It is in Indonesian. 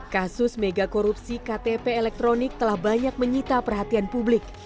kasus megakorupsi ktp elektronik telah banyak menyita perhatian publik